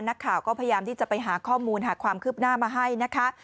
นักข่าวก็พยายามที่จะไปหาข้อมูลหาความคืบหน้ามาให้นะคะ